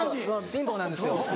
貧乏なんですよ。